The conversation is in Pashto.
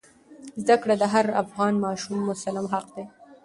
زده کړه د هر افغان ماشوم مسلم حق دی.